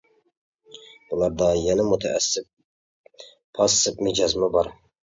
بۇلاردا يەنە مۇتەئەسسىپ، پاسسىپ مىجەزمۇ بار.